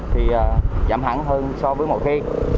thì giảm hẳn hơn so với mọi khi